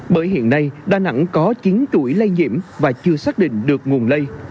bởi hiện nay đà nẵng có chín chuỗi lây nhiễm và chưa xác định được nguồn lây